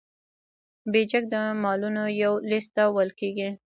بیجک د مالونو یو لیست ته ویل کیږي.